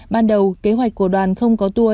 ban đầu kế hoạch của đoàn không có tour